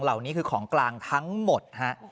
เหล่านี้คือของกลางทั้งหมดฮะ